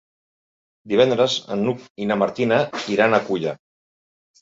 Divendres n'Hug i na Martina iran a Culla.